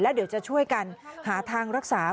เดี๋ยวจะช่วยกันหาทางรักษา